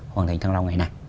hoàn thành tăng long này nè